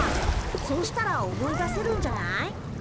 そうしたら思い出せるんじゃない？